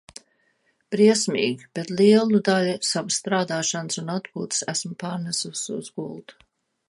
Briesmīgi, bet lielu daļu savas strādāšanas un atpūtas esmu pārnesusi uz gultu.